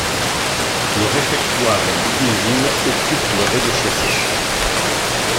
Le réfectoire et la cuisine occupent le rez-de-chaussée.